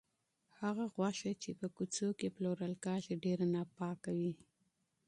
هغه غوښه چې په کوڅو کې پلورل کیږي، ډېره ناپاکه وي.